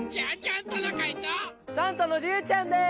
サンタのりゅうちゃんです！